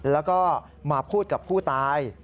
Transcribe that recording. แล้วก็มาพูดกับผู้ตาย